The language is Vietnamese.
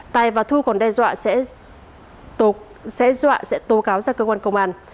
tài và thu còn đe dọa sẽ tố cáo ra cơ quan công an